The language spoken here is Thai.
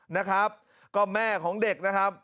นะครับก็แม่ของเด็กนะครับ